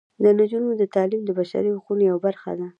د نجونو تعلیم د بشري حقونو یوه برخه ده.